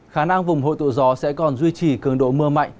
khả năng vùng hội tụ gió sẽ còn duy trì cường độ mưa mạnh